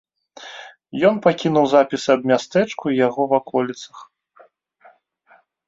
Ён пакінуў запісы аб мястэчку і яго ваколіцах.